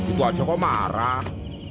itu aja kok marah